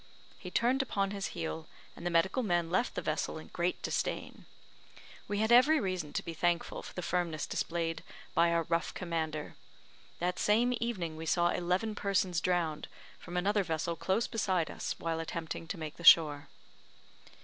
He turned upon his heel, and the medical men left the vessel in great disdain. We had every reason to be thankful for the firmness displayed by our rough commander. That same evening we saw eleven persons drowned, from another vessel close beside us while attempting to make the shore.